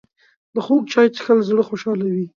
د خوږ چای څښل زړه خوشحالوي